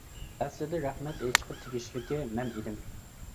ئەسلىدە رەھمەت ئېيتىشقا تېگىشلىكى مەن ئىدىم.